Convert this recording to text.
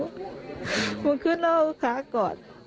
มันขึ้นแล้วเอาขากอด